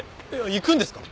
行くんですか？